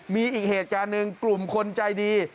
มีอีกเหตุการณ์หนึ่งกลุ่มคนใจดี